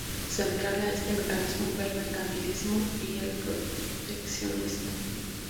Central a este mecanismo fue el mercantilismo y el proteccionismo.